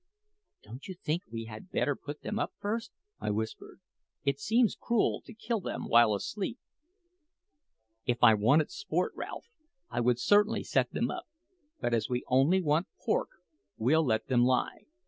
"Don't you think we had better put them up first?" I whispered. "It seems cruel to kill them while asleep." "If I wanted sport, Ralph, I would certainly set them up; but as we only want pork, we'll let them lie.